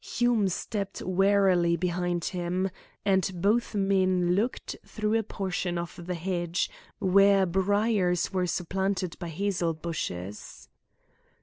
Hume stepped warily behind him, and both men looked through a portion of the hedge where briars were supplanted by hazel bushes.